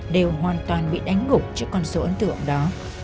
đều hoàn toàn bị đánh gục trước con số ấn tượng đó